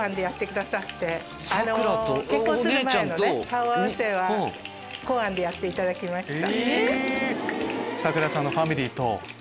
顔合わせは壺庵でやっていただきました。